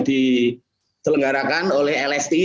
diselenggarakan oleh lsi